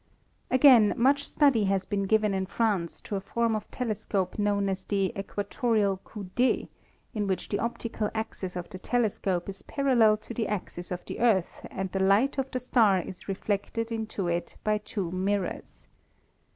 Again, much study has been given in France to a form of telescope known as the equatorial coude, in which the optical axis of the telescope is parallel to the axis of the Earth and the light of the star is reflected into it by two mirrors.